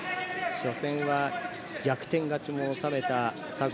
初戦は逆転勝ちも収めた佐合。